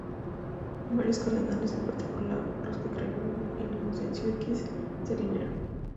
Varios cardenales, en particular las creados por Inocencio X, se alinearon.